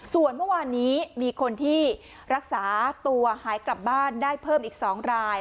ส่วนเมื่อวานนี้มีคนที่รักษาตัวหายกลับบ้านได้เพิ่มอีก๒ราย